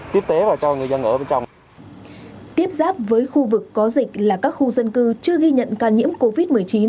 tiếp giáp với khu vực có dịch là các khu dân cư chưa ghi nhận ca nhiễm covid một mươi chín